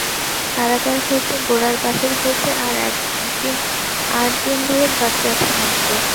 কারাগার হইতে গোরার বাহির হইতে আর দিন দুয়েক বাকি আছে মাত্র।